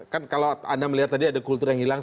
kan kalau anda melihat tadi ada kultur yang hilang